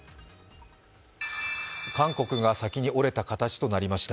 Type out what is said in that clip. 韓国が先に折れた形となりました。